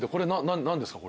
何ですか？